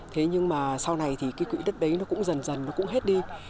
thế nhưng mà sau này thì cái quỹ đất đấy nó cũng dần dần nó cũng hết đi